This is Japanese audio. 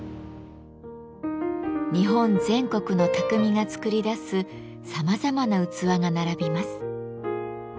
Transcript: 日本全国のたくみが作り出すさまざまな器が並びます。